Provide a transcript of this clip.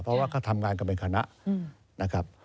เพราะว่าเขาทำงานกันเป็นคณะนะครับ